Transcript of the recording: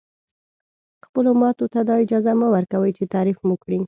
خپلو ماتو ته دا اجازه مه ورکوئ چې تعریف مو کړي.